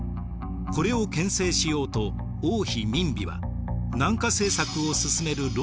これを牽制しようと王妃閔妃は南下政策を進める